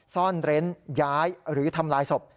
ซ่อนเร้นย้ายหรือทำลายศพ